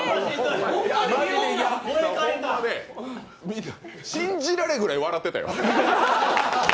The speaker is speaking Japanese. ホンマ、信じられんぐらい笑ってたよ。